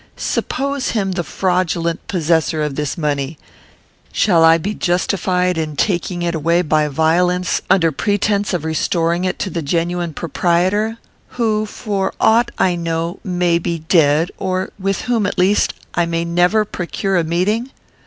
Suppose him the fraudulent possessor of this money: shall I be justified in taking it away by violence under pretence of restoring it to the genuine proprietor, who, for aught I know, may be dead, or with whom, at least, I may never procure a meeting?